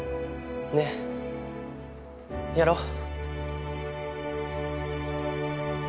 ねっやろう。